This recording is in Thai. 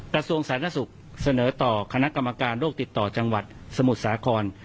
กระทรวงสาธารณสุขเสนอต่อคณะกรรมการโรคติดต่อจังหวัดสมุทรสาคร